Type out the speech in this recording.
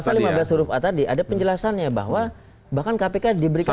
pasal lima belas huruf a tadi ada penjelasannya bahwa bahkan kpk diberikan